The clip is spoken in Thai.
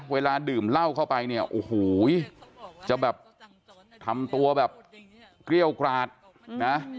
เวลาดื่มเหล้าเข้าไปเนี่ยโอ้โหจะแบบทำตัวแบบเกรี้ยวกราดนะ